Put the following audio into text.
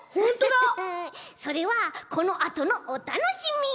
フフフフそれはこのあとのおたのしみ。